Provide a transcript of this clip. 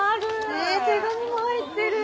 え手紙も入ってる。